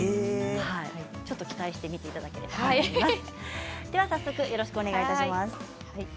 ちょっと期待して見ていただければと思います。